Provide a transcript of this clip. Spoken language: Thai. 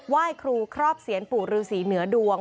ว่ายครูครอบเสียนปู่รือสีหนือดวง